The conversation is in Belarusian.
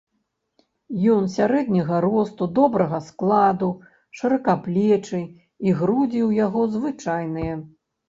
Ён сярэдняга росту, добрага складу, шыракаплечы, і грудзі ў яго звычайныя.